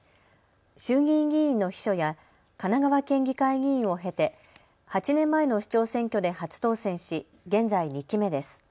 衆議院議員の秘書や神奈川県議会議員を経て８年前の市長選挙で初当選し現在、２期目です。